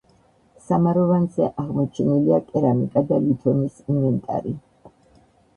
სამაროვანზე აღმოჩენილია კერამიკა და ლითონის ინვენტარი.